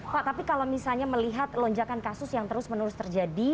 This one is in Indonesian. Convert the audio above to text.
pak tapi kalau misalnya melihat lonjakan kasus yang terus menerus terjadi